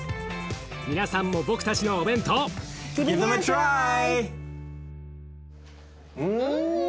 皆さんも僕たちのお弁当うん。